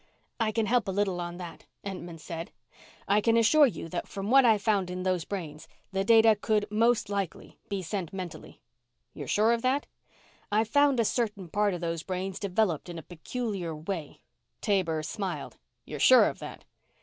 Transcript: "I can help a little on that," Entman said. "I can assure you that from what I've found in those brains, the data could, most likely, be sent mentally." "You're sure of that?" "I've found a certain part of those brains developed in a peculiar way " Taber smiled. "You're sure of that?"